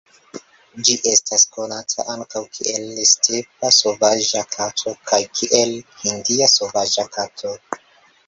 Ĝi estas konata ankaŭ kiel "stepa sovaĝa kato" kaj kiel "hindia sovaĝa kato".